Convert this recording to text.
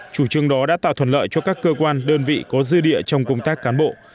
chủ trương đó đã tạo thuận lợi cho các cơ quan đơn vị có dư địa trong công tác cán bộ